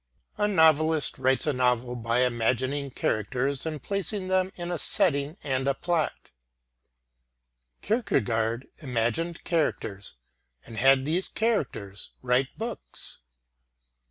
A novelist writes a novel by imagining characters and placing them in a setting and a plot. Kierkegaard imagined characters and had these characters write books.